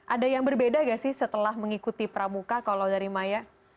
ada yang berbeda gak sih setelah mengikuti pramuka kalau dari maya